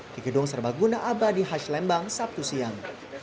di gedung serbaguna abadi haj lembang sabtu siang